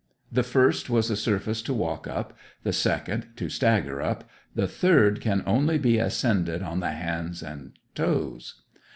The first was a surface to walk up, the second to stagger up, the third can only be ascended on the hands and toes.